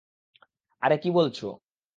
আরে, কি বলছো?